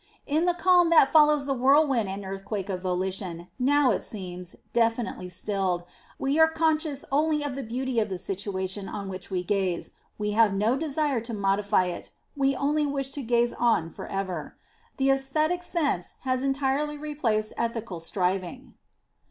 In the calm that follows the whirlwind and earthquake of volition now, it xxiv INTRODUCTION seems, definitely stilled, we are conscious only of the beauty of the situation on which we gaze, we have no desire to modify it, we only wish to gaze on for ever. The aesthetic sense has entirely replaced ethical striving.